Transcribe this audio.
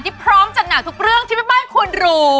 พร้อมจัดหนักทุกเรื่องที่แม่บ้านควรรู้